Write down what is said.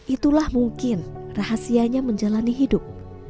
itulah mungkin rahasianya menjalani hidup